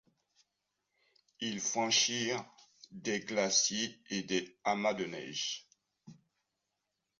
Ils franchirent des glaciers et des amas de neige.